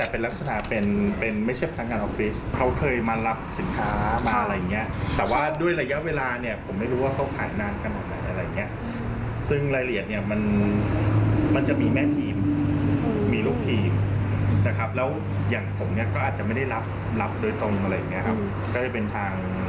เป็นลักษณะเป็นเซลล์อิสระ